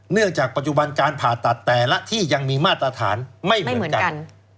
เนื่องจากปัจจุบันการผ่าตัดแต่ละที่ยังมีมาตรฐานไม่เหมือนกัน